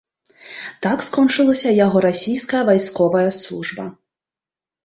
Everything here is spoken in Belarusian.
Так скончылася яго расійская вайсковая служба.